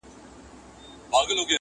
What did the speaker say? غازي د خپلي خور پوړني ته بازار لټوي!